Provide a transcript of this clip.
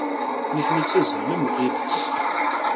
Nitni ttazzalen am uɣilas.